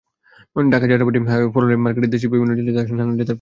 ঢাকার যাত্রাবাড়ী হাইওয়ে ফলের মার্কেটে দেশের বিভিন্ন জেলা থেকে আসে নানা জাতের ফল।